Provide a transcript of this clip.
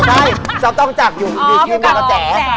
ไม่จ๊อปจ้องจักอยู่ที่เมืองเจ๋